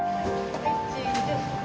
はいチーズ。